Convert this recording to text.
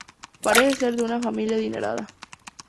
Parece ser de una familia adinerada.